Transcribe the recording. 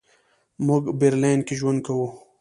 موږ برلین کې ژوند کوو.